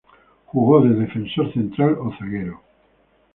Jugó de defensor central o zaguero.